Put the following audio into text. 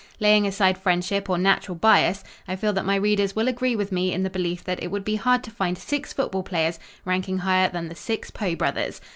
Laying aside friendship or natural bias, I feel that my readers will agree with me in the belief that it would be hard to find six football players ranking higher than the six Poe brothers.